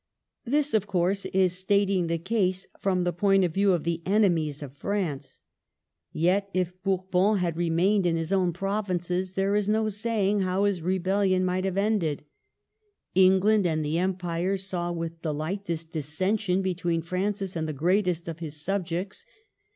This, of course, is stating the case from the point of view of the enemies of France. Yet if Bourbon had 70 MARGARET OF ANGOULEME. remained in his own provinces, there is no saying how his rebelHon might have ended. England and the Empire saw with dehght this dissension between Francis and the greatest of his subjects.